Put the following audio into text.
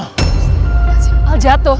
masih al jatuh